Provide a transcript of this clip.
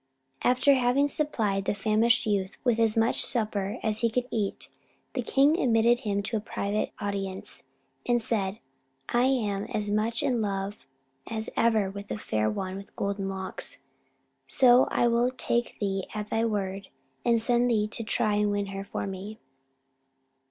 After having supplied the famished youth with as much supper as he could eat, the king admitted him to a private audience, and said, "I am as much in love as ever with the Fair One with Golden Locks, so I will take thee at thy word, and send thee to try and win her for me."